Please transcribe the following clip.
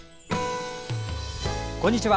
こんにちは。